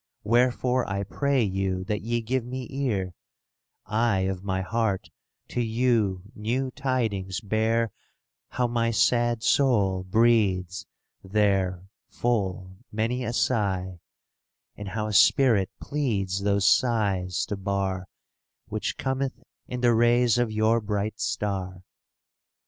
Wherefore I pray you that ye give me ear : I of my heart to you new tidings bear ^^ How my sad soul breathes there full many a sigh, And how a spirit pleads those sighs to bar, Which Cometh in the rays of your bright star.